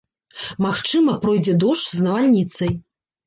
Магчыма, пройдзе дождж з навальніцай.